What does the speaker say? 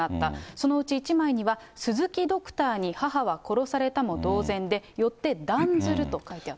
そのうち１枚には、鈴木ドクターに母は殺されたも同然で、よって断ずると書いてあった。